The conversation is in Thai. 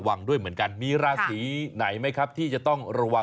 เอาเหรอสำหรับปีนี้เหรอคะ